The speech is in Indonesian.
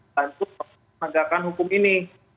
dan itu memadakan hukum ini